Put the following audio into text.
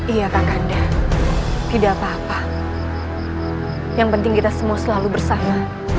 iya kang kandan tidak apa apa yang penting kita semua selalu bersama